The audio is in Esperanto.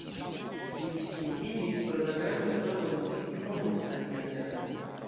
Li distingiĝis pro la granda zorgo inviti homojn al dia servo.